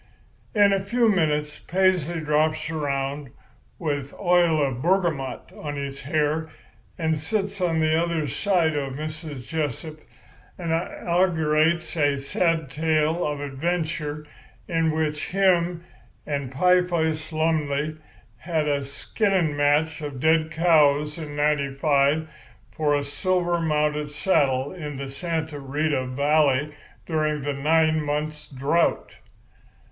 "In a few minutes Paisley drops around, with oil of bergamot on his hair, and sits on the other side of Mrs. Jessup, and inaugurates a sad tale of adventure in which him and Pieface Lumley has a skinning match of dead cows in '95 for a silver mounted saddle in the Santa Rita valley during the nine months' drought.